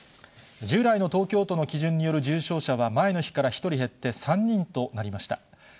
従来の東京都の基準による重症者は前の日から１人減って３人となりました。